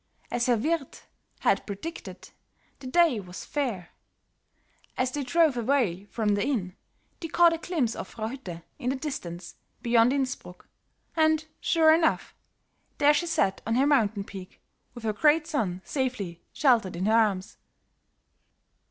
As Herr Wirthe had predicted, the day was fair; as they drove away from the Inn, they caught a glimpse of Frau Hütte in the distance beyond Innsbruck, and, sure enough, there she sat on her mountain peak, with her great son safely sheltered in her arms.